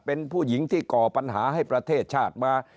เป็นผู้หญิงที่ก่อปัญหาให้ประเทศชาติมา